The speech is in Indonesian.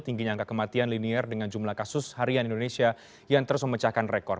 tingginya angka kematian linier dengan jumlah kasus harian indonesia yang terus memecahkan rekor